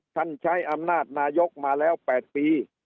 ใช้อำนาจนายกมาแล้ว๘ปี